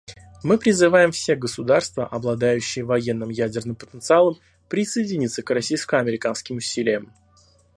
Мы призываем все государства, обладающие военным ядерным потенциалом, присоединиться к российско-американским усилиям.